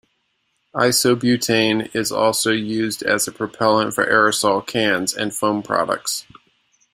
Isobutane is also used as a propellant for aerosol cans and foam products.